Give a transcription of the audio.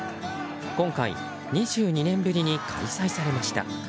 今回、２２年ぶりに開催されました。